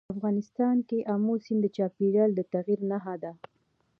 افغانستان کې آمو سیند د چاپېریال د تغیر نښه ده.